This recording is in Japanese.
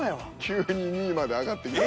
急に２位まで上がってきた。